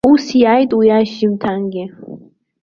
Ус иааит уи ашьыжьымҭангьы.